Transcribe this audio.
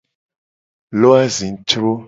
Lo azicro.